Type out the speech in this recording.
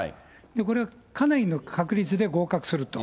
これはかなりの確率で合格すると。